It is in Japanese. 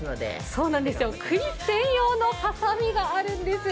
そうなんですよ、くり専用のはさみがあるんです。